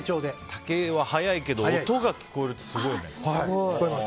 竹は早いけど音が聞こえるってすごいね。